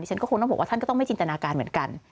ฉันก็คงต้องบอกว่าท่านก็ต้องไม่จินตนาการเหมือนกัน